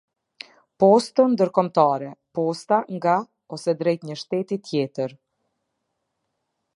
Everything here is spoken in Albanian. Postë ndërkombëtare — posta nga, ose drejt një shteti tjetër.